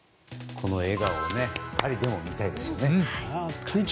この笑顔をパリでも見たいですね。